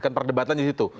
kan perdebatan di situ